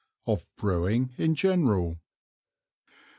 Of Brewing in general.